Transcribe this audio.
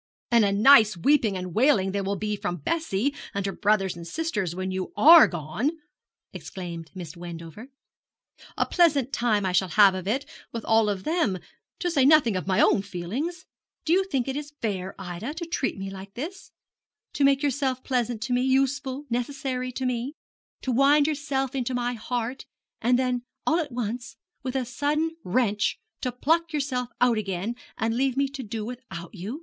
'And a nice weeping and wailing there will be from Bessie and her brothers and sisters when you are gone!' exclaimed Miss Wendover; 'a pleasant time I shall have of it, with all of them to say nothing of my own feelings. Do you think it is fair, Ida, to treat me like this; to make yourself pleasant to me, useful, necessary to me to wind yourself into my heart and then all at once, with a sudden wrench, to pluck yourself out again, and leave me to do without you?